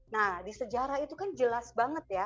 nah di sejarah itu kan jelas banget ya